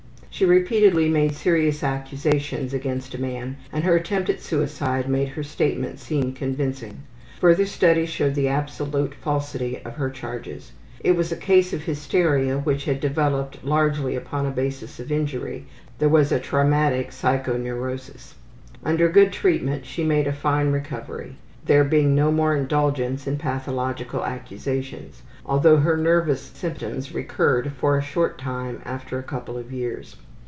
She repeatedly made serious accusations against a man and her attempt at suicide made her statement seem convincing. Further study showed the absolute falsity of her charges. It was a case of hysteria which had developed largely upon a basis of injury there was a traumatic psychoneurosis. Under good treatment she made a fine recovery; there being no more indulgence in pathological accusations, although her nervous symptoms recurred for a short time after a couple of years.